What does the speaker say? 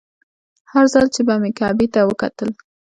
هر ځل چې به مې کعبې ته وکتل.